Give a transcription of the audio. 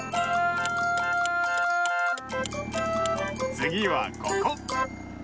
つぎはここ！